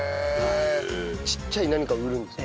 ちっちゃい何かを売るんですか？